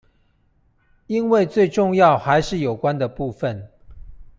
因為最重要還是有關的部分